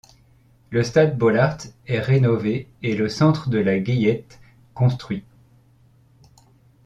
Le stade Bollaert est rénové et le centre de la Gaillette construit.